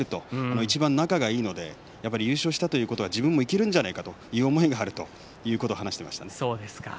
いちばん仲がいいので優勝したということは自分もいけるんじゃないかという思いがあるということを話していました。